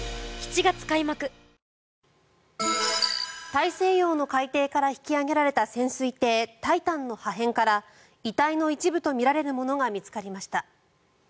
大西洋の海底から引き揚げられた潜水艇「タイタン」の破片から遺体の一部とみられるものが見つかりました。